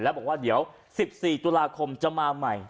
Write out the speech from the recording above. แล้วบอกว่าเดี๋ยว๑๔ตุลาคมจะมาใหม่